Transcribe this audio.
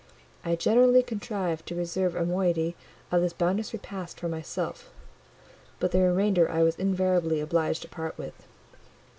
I generally contrived to reserve a moiety of this bounteous repast for myself; but the remainder I was invariably obliged to part with.